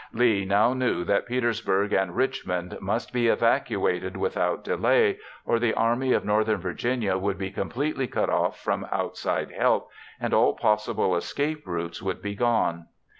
Lee now knew that Petersburg and Richmond must be evacuated without delay or the Army of Northern Virginia would be completely cut off from outside help and all possible escape routes would be gone.